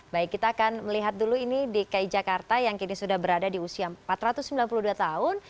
baik kita akan melihat dulu ini dki jakarta yang kini sudah berada di usia empat ratus sembilan puluh dua tahun